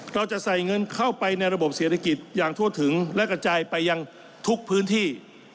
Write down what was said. เราจะใส่เงินเข้าไปในระบบเศรษฐกิจอย่างทั่วถึงและกระจายไปยังทุกพื้นที่